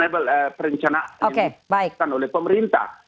ada perencanaan yang berkelanjutan oleh pemerintah